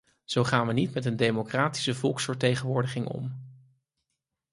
Zo gaan we niet met een democratische volksvertegenwoordiging om.